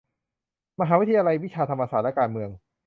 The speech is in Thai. มหาวิทยาลัยวิชาธรรมศาสตร์และการเมือง